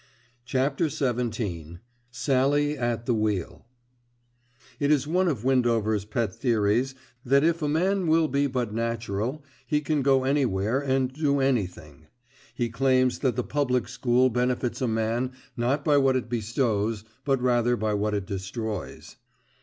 *CHAPTER XVII* *SALLIE AT THE WHEEL* It is one of Windover's pet theories that if a man will but be natural, he can go anywhere and do anything. He claims that the Public School benefits a man not by what it bestows; but rather by what it destroys.